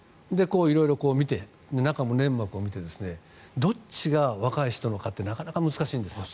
色々見て、中の粘膜を見てどっちが若い人のかってなかなか難しいんです。